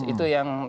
itu yang tampaknya